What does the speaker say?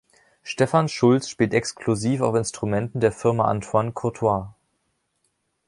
Stefan Schulz spielt exklusiv auf Instrumenten der Firma Antoine Courtois.